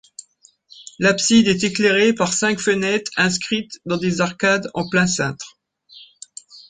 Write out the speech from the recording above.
L'abside est éclairée par cinq fenêtres inscrites dans des arcades en plein cintre.